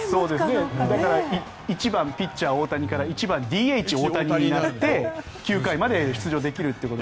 だから１番ピッチャー、大谷から１番ＤＨ、大谷になって９回まで出場できると。